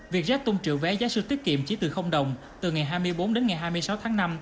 việc rét tung trựu vé giá sư tiết kiệm chỉ từ đồng từ ngày hai mươi bốn đến ngày hai mươi sáu tháng năm